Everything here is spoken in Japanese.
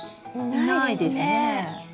いないですね。